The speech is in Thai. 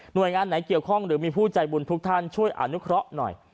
โดยงานไหนเกี่ยวข้องหรือมีผู้ใจบุญทุกท่านช่วยอนุเคราะห์หน่อย